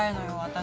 私。